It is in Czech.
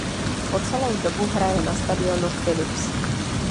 Po celou dobu hraje na stadionu Philips.